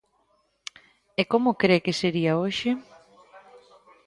E como cre que sería hoxe?